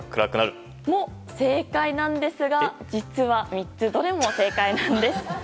それも正解なんですが実は３つどれも正解なんです。